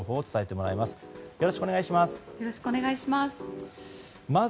よろしくお願いします。